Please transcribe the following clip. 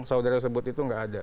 saudara sebut itu nggak ada